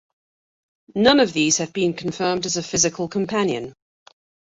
None of these have been confirmed as a physical companion.